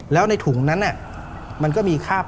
แล้วในถุงนั้นมันก็มีคราบ